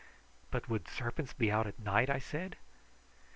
"But would serpents be out at night?" I said.